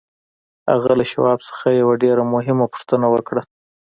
هغه له شواب څخه یوه ډېره مهمه پوښتنه وکړه